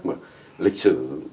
mà lịch sử